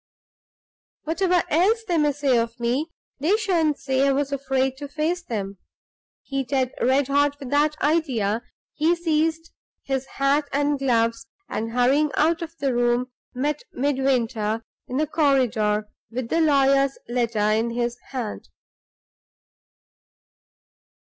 "Whatever else they may say of me, they shan't say I was afraid to face them." Heated red hot with that idea, he seized his hat and gloves, and hurrying out of the room, met Midwinter in the corridor with the lawyer's letter in his hand.